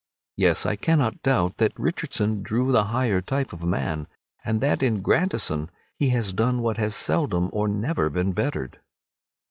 Yes, I cannot doubt that Richardson drew the higher type of man—and that in Grandison he has done what has seldom or never been bettered.